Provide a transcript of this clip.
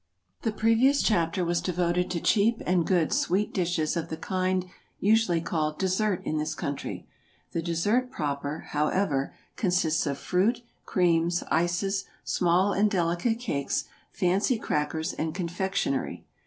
The previous chapter was devoted to cheap and good sweet dishes of the kind usually called dessert in this country; the dessert proper, however, consists of fruit, creams, ices, small and delicate cakes, fancy crackers, and confectionery.